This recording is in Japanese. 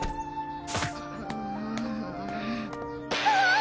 ああ！